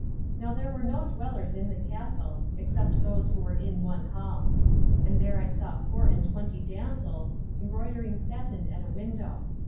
Now there were no dwellers in the castle, except those who were in one hall. And there I saw four and twenty damsels, embroidering satin at a window.